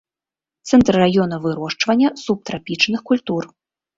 Цэнтр раёна вырошчвання субтрапічных культур.